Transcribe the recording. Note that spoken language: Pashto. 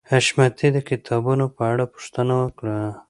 حشمتي د کتابونو په اړه پوښتنه وکړه